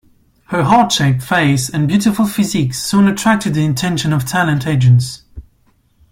Her heart-shaped face and beautiful physique soon attracted the attention of talent agents.